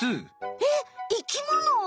えっ生きもの？